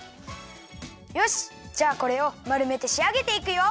よしじゃあこれをまるめてしあげていくよ！